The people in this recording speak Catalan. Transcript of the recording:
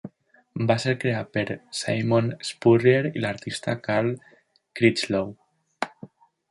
Va ser creat per Simon Spurrier i l'artista Carl Critchlow.